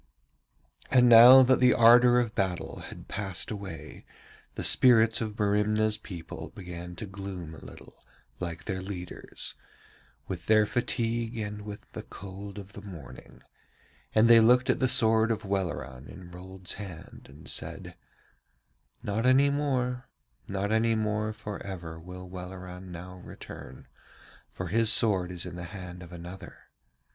And now that the ardour of battle had passed away, the spirits of Merimna's people began to gloom a little, like their leader's, with their fatigue and with the cold of the morning; and they looked at the sword of Welleran in Rold's hand and said: 'Not any more, not any more for ever will Welleran now return, for his sword is in the hand of another.